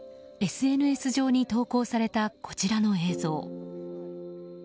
ＳＮＳ上に投稿されたこちらの映像。